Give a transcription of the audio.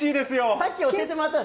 さっき教えてもらった。